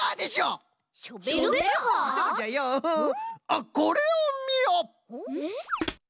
あっこれをみよ！